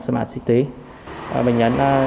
smart city bệnh nhân